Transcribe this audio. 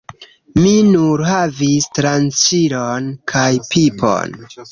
Mi nur havis tranĉilon kaj pipon.